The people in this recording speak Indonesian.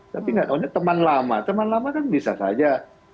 tapi nggak tahunya teman lama teman lama kan bisa saja